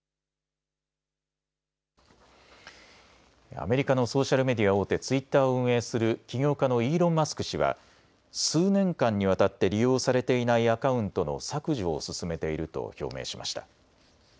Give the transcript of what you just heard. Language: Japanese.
アメリカのソーシャルメディア大手ツイッターを運営する起業家のイーロン・マスク氏は数年間にわたって利用されていないアカウントの削除を進めていると表明しました。